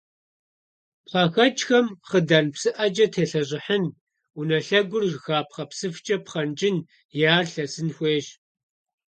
ПхъэхэкӀхэм хъыдан псыӀэкӀэ телъэщӀыхьын, унэ лъэгури жыхапхъэ псыфкӀэ пхъэнкӀын е ар лъэсын хуейщ.